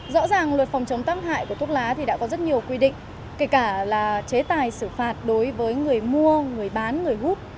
rõ ràng luật phòng chống tắc hại của thuốc lá thì đã có rất nhiều quy định kể cả là chế tài xử phạt đối với người mua người bán người hút